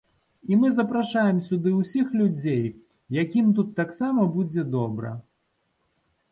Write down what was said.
І мы запрашаем сюды ўсіх людзей, якім тут таксама будзе добра.